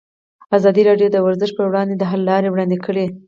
ازادي راډیو د ورزش پر وړاندې د حل لارې وړاندې کړي.